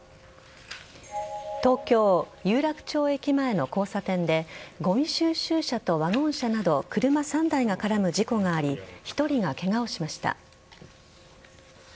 東京・有楽町駅前の交差点でごみ収集車とワゴン車など車３台が絡む事故があり１人がケガをしました。